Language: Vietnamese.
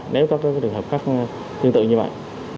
nếu các trường hợp khác tương tự như vậy